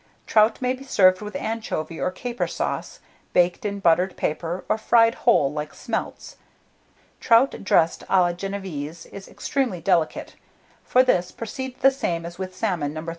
Trout may be served with anchovy or caper sauce, baked in buttered paper, or fried whole like smelts. Trout dressed a la Génévese is extremely delicate; for this proceed the same as with salmon, No. 307.